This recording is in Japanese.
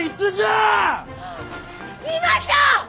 あ今じゃ！